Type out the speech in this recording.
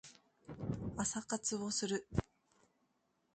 朝活をする